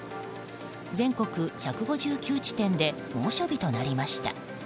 全国１５９地点で猛暑日となりました。